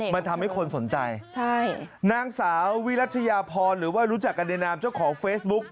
มันทำให้คนสนใจใช่นางสาววิรัชยาพรหรือว่ารู้จักกันในนามเจ้าของเฟซบุ๊ก